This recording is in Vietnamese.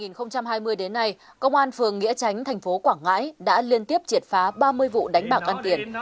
năm hai nghìn hai mươi đến nay công an phường nghĩa tránh thành phố quảng ngãi đã liên tiếp triệt phá ba mươi vụ đánh bạc ăn tiền